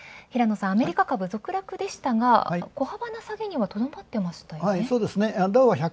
平野さん、アメリカ株続落でしたが、小幅な下げにとどまっていましたね。